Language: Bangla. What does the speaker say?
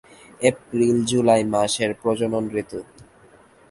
এপ্রিল-জুলাই মাস এর প্রজনন ঋতু।